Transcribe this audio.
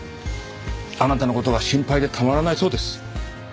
あなたの事が心配でたまらないそうです。